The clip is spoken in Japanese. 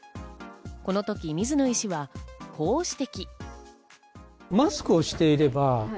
この時、水野医師は、こう指摘。